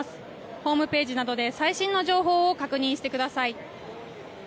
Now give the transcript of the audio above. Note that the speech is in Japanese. ホームページなどで最新の情報を確認してください。